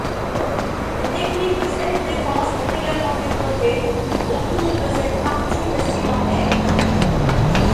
Des techniques de self-défense sont également développées autour de cette partie vestimentaire.